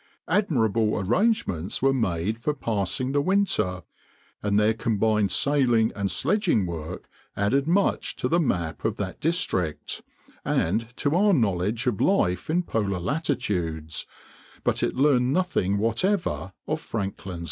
Admirable arrangements were made for passing the winter, and their combined sailing and sledging work added much to the map of that district, and to our knowledge of life in polar latitudes, but it learned nothing whatever of Franklin's fate.